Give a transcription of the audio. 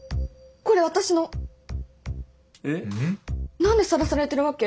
何でさらされてるわけ？